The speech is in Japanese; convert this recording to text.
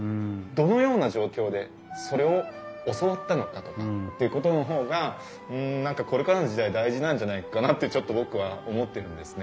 どのような状況でそれを教わったのかとかっていうことの方が何かこれからの時代大事なんじゃないかなってちょっと僕は思ってるんですね。